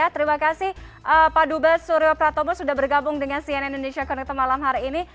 terima kasih pak duba suryopratomo sudah bergabung dengan cnn indonesia connectal malam hari ini